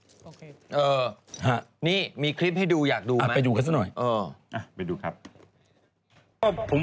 โอเคเออนี่มีคลิปให้ดูอยากดูไหมอบไปดูกันหน่อยเออ